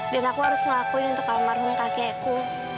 dan aku harus ngelakuin untuk almarhum kakekku